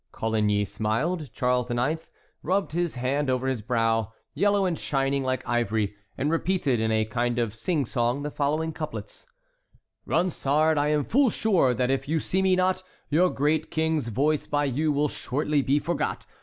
Coligny smiled. Charles IX. rubbed his hand over his brow, yellow and shining like ivory, and repeated in a kind of sing song the following couplets: "Ronsard, I am full sure that if you see me not, Your great King's voice by you will shortly be forgot.